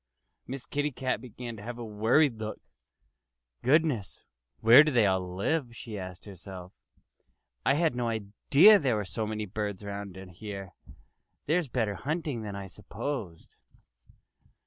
Miss Kitty began to have a worried look. "Goodness! Where do they all live?" she asked herself. "I had no idea there were so many birds around here. There's better hunting than I supposed."